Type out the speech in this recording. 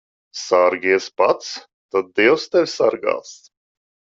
Sargies pats, tad dievs tevi sargās.